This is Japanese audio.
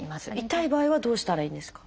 痛い場合はどうしたらいいんですか？